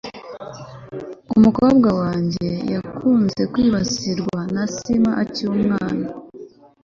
Umukobwa wanjye yakunze kwibasirwa na asima akiri umwana